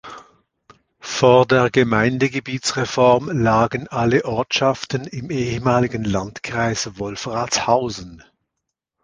Vor der Gemeindegebietsreform lagen alle Ortschaften im ehemaligen Landkreis Wolfratshausen.